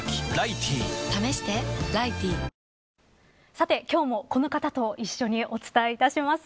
さて、今日もこの方と一緒にお伝えいたします。